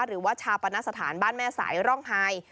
หรือว่าชาปณสถานบ้านแม่สายร่องไฮ